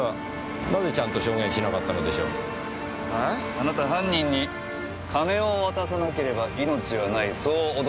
あなた犯人に「金を渡さなければ命はない」そう脅されたんでしたよね？